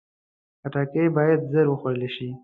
خټکی باید ژر وخوړل شي.